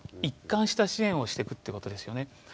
一貫した支援をしてくってことですよね。